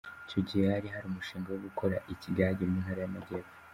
Icyo gihe hari hari umushinga wo gukora ikigage mu Ntara y’Amajyepfo.